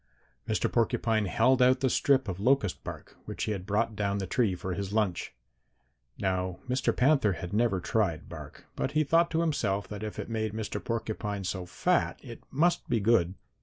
Mr. Porcupine held out the strip of locust bark which he had brought down the tree for his lunch. "Now Mr. Panther had never tried bark, but he thought to himself that if it made Mr. Porcupine so fat it must be good.